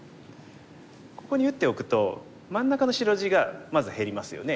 ここに打っておくと真ん中の白地がまず減りますよね。